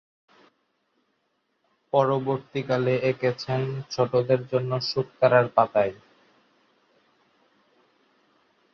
পরবর্তীকালে এঁকেছেন ছোটদের জন্য ‘শুকতারা’র পাতায়।